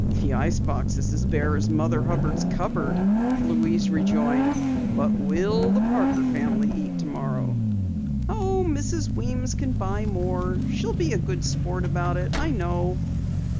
"The ice box is as bare as Mother Hubbard's cupboard," Louise rejoined. "What will the Parker family eat tomorrow?" "Oh, Mrs. Weems can buy more. She'll be a good sport about it, I know."